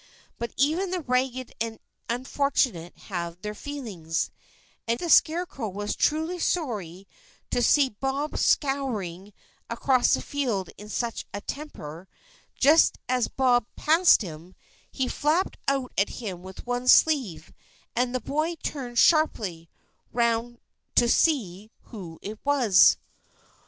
But even the ragged and unfortunate have their feelings, and the scarecrow was truly sorry to see Bob scouring across the field in such a temper; so just as Bob passed him, he flapped out at him with one sleeve, and the boy turned sharply round to see who it was.